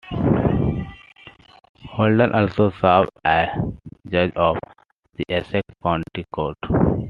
Holten also served as judge of the Essex County Court.